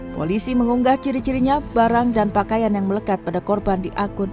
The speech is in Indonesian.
polisi mengunggah ciri cirinya barang dan pakaian yang melekat pada korban di akun